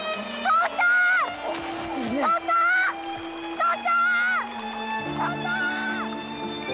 父ちゃん！